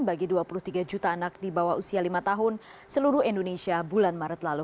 bagi dua puluh tiga juta anak di bawah usia lima tahun seluruh indonesia bulan maret lalu